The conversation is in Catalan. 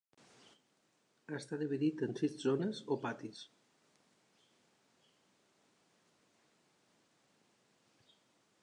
Està dividit en sis zones o patis: